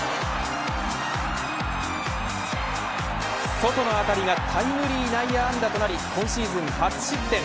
ソトの当たりがタイムリー内野安打となり今シーズン初失点。